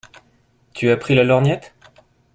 Tu as pris la lorgnette ?